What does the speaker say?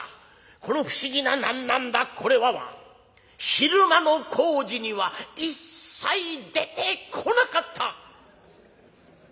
この不思議な『何なんだこれは』は昼間の工事には一切出てこなかった。